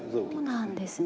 そうなんですね。